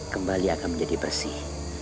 kembali akan menjadi bersih